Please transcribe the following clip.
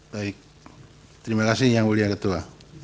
baik terima kasih yang mulia ketua